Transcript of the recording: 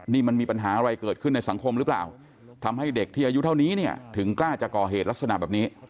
นี่มันมีปัญหาอะไรเกิดขึ้นในสังคมหรือเปล่าทำให้เด็กที่อายุเท่านี้เนี่ยถึงกล้าจะก่อเหตุลักษณะแบบนี้